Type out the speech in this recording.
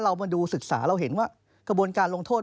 เรามาดูศึกษาเราเห็นว่ากระบวนการลงโทษ